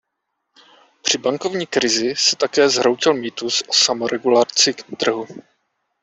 Při bankovní krizi se také zhroutil mýtus o samoregulaci trhu.